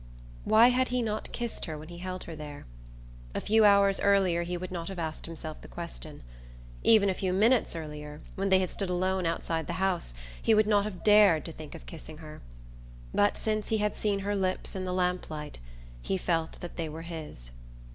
Why had he not kissed her when he held her there? A few hours earlier he would not have asked himself the question. Even a few minutes earlier, when they had stood alone outside the house, he would not have dared to think of kissing her. But since he had seen her lips in the lamplight he felt that they were his.